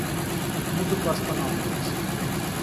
Музыка останавливается.